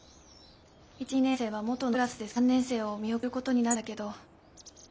１２年生は元のクラスで３年生を見送ることになるんだけど。